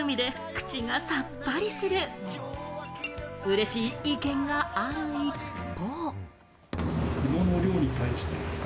嬉しい意見がある一方。